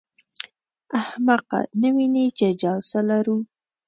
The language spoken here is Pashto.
احمقه! نه وینې چې جلسه لرو.